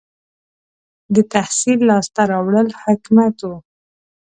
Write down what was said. • د تحصیل لاسته راوړل حکمت و.